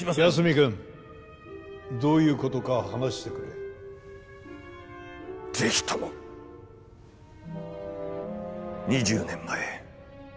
八角君どういうことか話してくれぜひとも２０年前